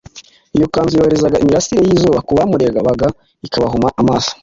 Iyo kanzu yoherezaga imirasire y’izuba ku bamurebaga ikabahuma amaso.